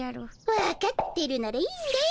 わかってるならいいんだよ。